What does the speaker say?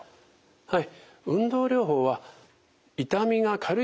はい。